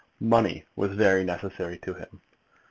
Money was very necessary to him.